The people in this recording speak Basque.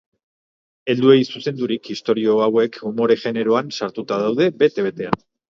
Helduei zuzendurik, istorio hauek umore generoan sartuta daude bete-betean.